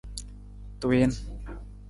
Tuwiin.